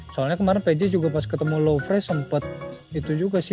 soalnya kemaren pg juga pas ketemu lovre sempet itu juga sih